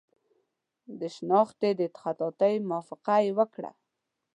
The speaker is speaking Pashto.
د شنختې د خطاطۍ موافقه یې وکړه.